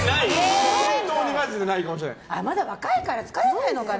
まだ若いから疲れないのかな。